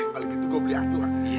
kalo gitu gue beli satu